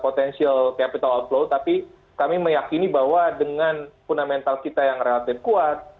potensial capital outflow tapi kami meyakini bahwa dengan fundamental kita yang relatif kuat